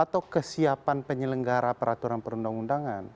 atau kesiapan penyelenggara peraturan perundang undangan